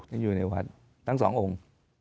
อยู่ในวัดทั้งสององค์